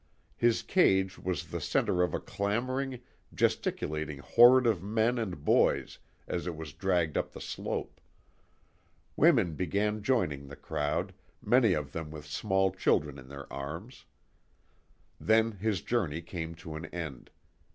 His cage was the centre of a clamouring, gesticulating horde of men and boys as it was dragged up the slope. Women began joining the crowd, many of them with small children in their arms. Then his journey came to an end.